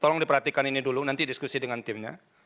tolong diperhatikan ini dulu nanti diskusi dengan timnya